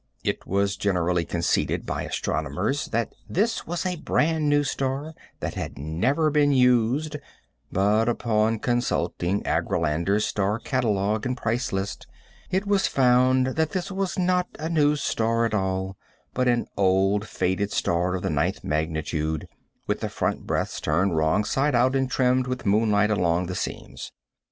It was generally conceded by astronomers that this was a brand new star that had never been used, but upon consulting Argelander's star catalogue and price list it was found that this was not a new star at all, but an old, faded star of the ninth magnitude, with the front breadths turned wrong side out and trimmed with moonlight along the seams.